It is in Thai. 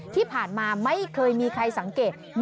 ที่ผ่านมาไม่เคยมีใครสังเกต